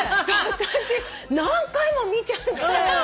私何回も見ちゃって。